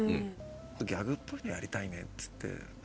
ギャグっぽいのやりたいねって言ってそ